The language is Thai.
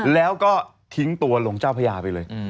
แล้วก็ทิ้งตัวลงเจ้าพญาไปเลย